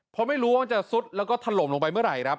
เพราะไม่รู้ว่ามันจะซุดแล้วก็ถล่มลงไปเมื่อไหร่ครับ